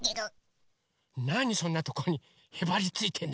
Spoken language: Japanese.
なにそんなとこにへばりついてんのよ。